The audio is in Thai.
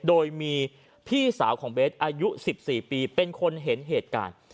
โดยมีพี่สาวของเบสอายุ๑๔ปีเป็นคนเห็นเหตุการณ์